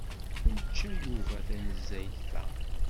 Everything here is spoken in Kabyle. Yečča Yuba tanezzayt-a?